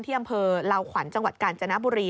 อำเภอลาวขวัญจังหวัดกาญจนบุรี